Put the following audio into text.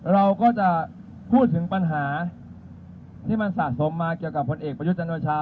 เราก็จะพูดถึงปัญหาที่มันสะสมมาเกี่ยวกับผลเอกประยุทธ์จันโอชา